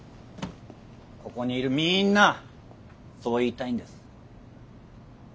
ここにいるみんなそう言いたいんです。